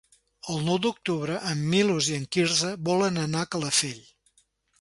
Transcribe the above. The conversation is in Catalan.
El nou d'octubre en Milos i en Quirze volen anar a Calafell.